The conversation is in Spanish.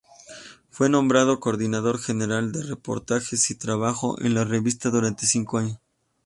Fue nombrado coordinador general de reportajes y trabajó en la revista durante cinco años.